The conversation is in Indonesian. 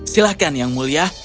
silahkan yang mulia